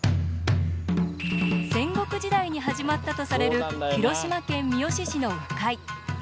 戦国時代に始まったとされる広島県三次市の鵜飼。